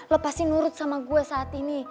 lo pasti nurut sama gue saat ini